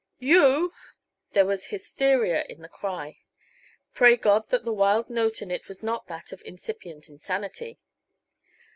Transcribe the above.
"You!" There was hysteria in the cry. Pray God that the wild note in it was not that of incipient insanity!